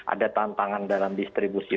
ada tantangan dalam distribusi